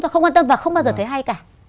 không quan tâm và không bao giờ thấy hay cả